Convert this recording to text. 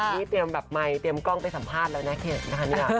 นี่เตรียมแบบไมค์เตรียมกล้องไปสัมภาษณ์แล้วนะเขตนะคะเนี่ย